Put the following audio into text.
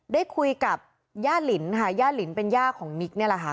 ได้คุยกับย่าลินค่ะย่าลินเป็นย่าของนิกนี่แหละค่ะ